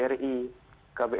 yang kedua itu dari kbri